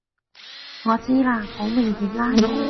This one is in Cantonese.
我知啦！好明顯啦！